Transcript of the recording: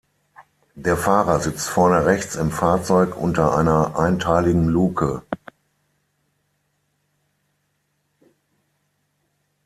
Der Fahrer sitzt vorne rechts im Fahrzeug unter einer einteiligen Luke.